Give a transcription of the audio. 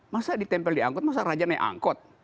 masa ditempel di angkot masa raja naik angkot